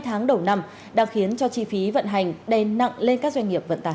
hai tháng đầu năm đang khiến cho chi phí vận hành đen nặng lên các doanh nghiệp vận tải